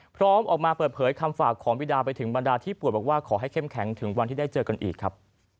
พร้อมออกมาเปิดเผยคำฝากของบิดาไปถึงบรรดาที่ป่วยบอกว่าขอให้เข้มแข็งถึงวันที่ได้เจอกันอีกครับ